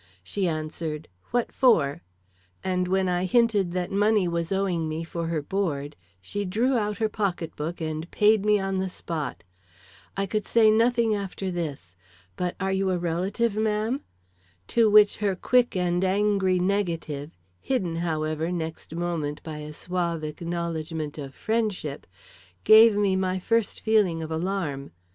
She answered 'What for?' and when I hinted that money was owing me for her board, she drew out her pocket book and paid me on the spot. I could say nothing after this, 'But are you a relative, ma'am?' to which her quick and angry negative, hidden, however, next moment, by a suave acknowledgment of friendship, gave me my first feeling of alarm.